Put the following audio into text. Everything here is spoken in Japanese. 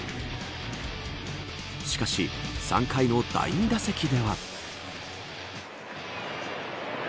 しかし、３回の第２打席では。